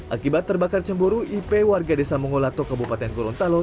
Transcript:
akibat terbakar cemburu ip warga desa mongolato kabupaten gorontalo